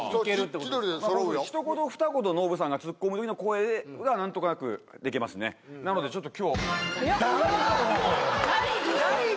僕一言二言ノブさんがツッコむときの声が何となくできますねなのでちょっと今日大悟！